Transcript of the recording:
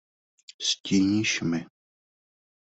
Stíníš mi.